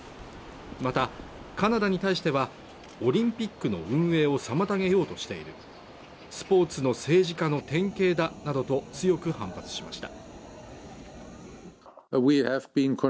またカナダに対してはオリンピックの運営を妨げようとしているスポーツの政治家の典型だなどと強く反発しました